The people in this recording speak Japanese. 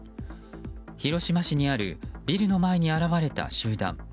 広島市にあるビルの前に現れた集団。